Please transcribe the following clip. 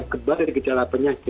kebal dari gejala penyakit